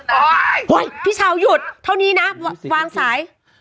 โอ้ยพี่ชาวหยุดเท่านี้นะวางสาย